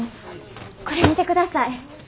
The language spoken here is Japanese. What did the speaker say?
これ見てください。